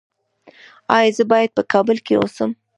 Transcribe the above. ایا زه باید په کابل کې اوسم؟